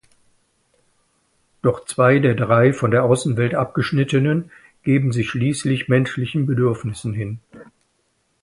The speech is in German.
Doch zwei der drei von der Außenwelt Abgeschnittenen geben sich schließlich menschlichen Bedürfnissen hin.